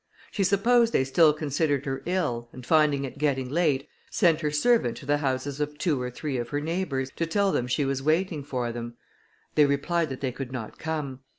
She supposed they still considered her ill, and finding it getting late, sent her servant to the houses of two or three of her neighbours, to tell them she was waiting for them. They replied, that they could not come.